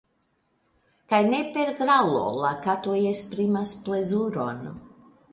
Kaj ne per graŭlo la katoj esprimas plezuron.